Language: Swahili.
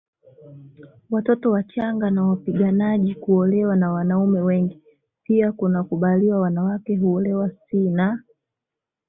watoto wachanga na wapiganaji Kuolewa na wanaume wengi pia kunakubaliwa mwanamke huolewa si na